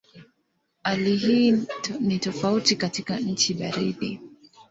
Hali hii ni tofauti katika nchi baridi.